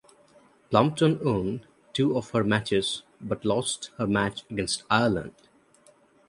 Plumpton won two of her matches but lost her match against Ireland.